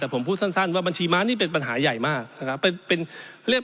แต่ผมพูดสั้นว่าบัญชีม้านี้เป็นปัญหาใหญ่มากนะครับ